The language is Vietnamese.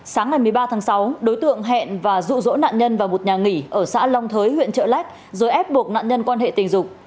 sáng ngày một mươi ba tháng sáu đối tượng hẹn và dụ dỗ nạn nhân vào một nhà nghỉ ở xã long thới huyện trợ lách rồi ép buộc nạn nhân quan hệ tình dục